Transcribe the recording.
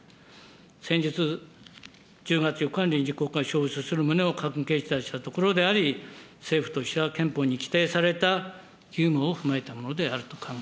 先日、１０月４日に臨時国会を召集する旨を閣議決定したところであり、政府としては憲法に規定された義務を踏まえたものであると考え